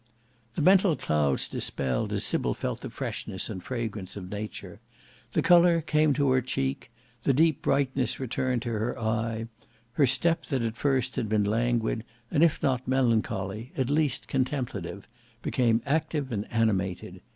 The mental clouds dispelled as Sybil felt the freshness and fragrance of nature. The colour came to her cheek; the deep brightness returned to her eye; her step that at first had been languid and if not melancholy, at least contemplative, became active and animated.